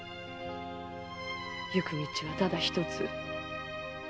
行く道はただ一つ。